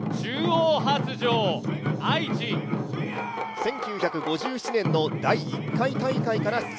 １９５７年の第１回大会から出場。